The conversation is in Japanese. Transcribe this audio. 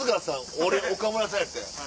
俺岡村さんやったやん。